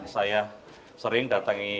saya sering datangi